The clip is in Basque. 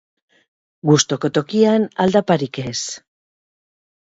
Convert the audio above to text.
Gustoko tokian aldaparik ez.